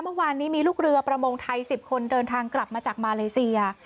เมื่อวานนี้มีลูกเรือประมงไทย๑๐คนเดินทางกลับมาจากมาเลเซีย